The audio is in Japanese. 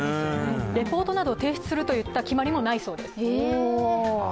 レポートなどを提出するといった決まりもないそうです。